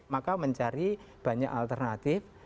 maka mencari banyak alternatif